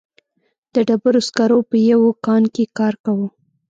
د ډبرو سکرو په یوه کان کې کار کاوه.